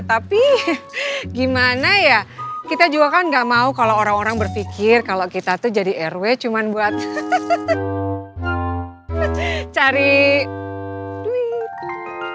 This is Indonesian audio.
tapi gimana ya kita juga kan gak mau kalau orang orang berpikir kalau kita tuh jadi rw cuma buat cari duit